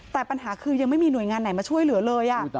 แต่ปัญหาคือยังไม่มีหน่วยงานไหนมาช่วยเหลือเลย